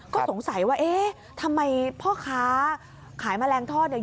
ก็สงสัยว่าเอ๊ะทำไมพ่อค้าขายแมลงทอดเนี่ย